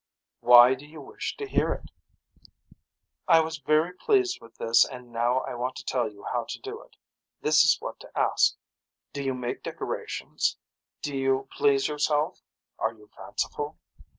Why do you wish to hear it. I was very pleased with this and now I want to tell you how to do it. This is what to ask. Do you make decorations. Do you please yourself. Are you fanciful.